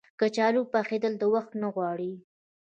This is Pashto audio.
کچالو پخېدل وخت نه غواړي